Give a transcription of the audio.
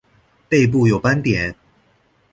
背部有斑点。